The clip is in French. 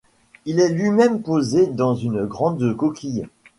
Il est lui-même posé dans une grande coquille.